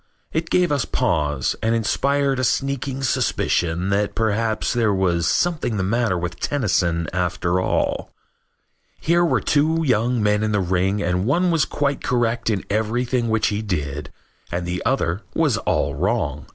It gave us pause and inspired a sneaking suspicion that perhaps there was something the matter with Tennyson after all. Here were two young men in the ring and one was quite correct in everything which he did and the other was all wrong.